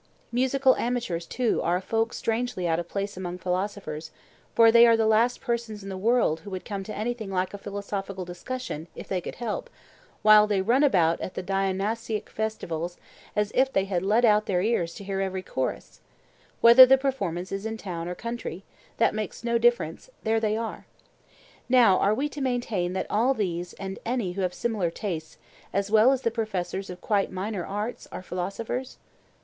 Musical amateurs, too, are a folk strangely out of place among philosophers, for they are the last persons in the world who would come to anything like a philosophical discussion, if they could help, while they run about at the Dionysiac festivals as if they had let out their ears to hear every chorus; whether the performance is in town or country—that makes no difference—they are there. Now are we to maintain that all these and any who have similar tastes, as well as the professors of quite minor arts, are philosophers?